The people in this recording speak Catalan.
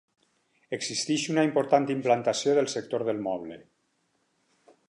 Existeix una important implantació del sector del moble.